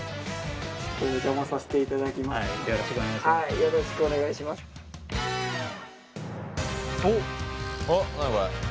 よろしくお願いします。